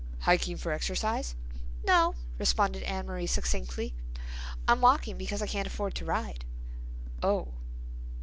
"Hiking for exercise?" "No," responded Amory succinctly, "I'm walking because I can't afford to ride." "Oh."